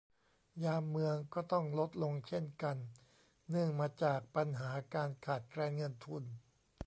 ยามเมืองก็ต้องลดลงเช่นกัน เนื่องมาจากปัญหาการขาดแคลนเงินทุน